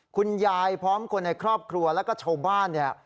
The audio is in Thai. พร้อมคนในครอบครัวแล้วก็ชาวบ้านเนี่ย